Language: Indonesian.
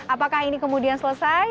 apakah ini kemudian selesai